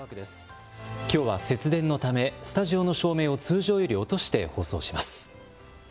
きょうは節電のためスタジオの照明を通常より落として放送します。